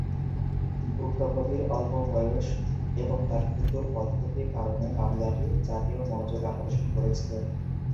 ভুক্তভোগীর অল্প বয়স এবং তার মৃত্যুর পদ্ধতির কারণে মামলাটি জাতীয় মনোযোগ আকর্ষণ করেছিল।